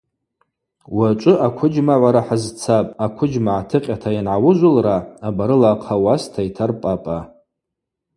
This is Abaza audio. Уачӏвы аквыджьмагӏвара хӏазцапӏ, аквыджьма гӏатыкъьата йангӏауыжвылра абарыла ахъа уаста йтарпӏапӏа.